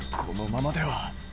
このままでは。